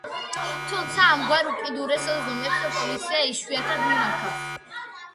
თუმცა ამგვარ უკიდურეს ზომებს პოლიცია იშვიათად მიმართავს.